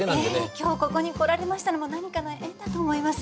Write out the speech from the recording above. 今日ここに来られましたのも何かの縁だと思います。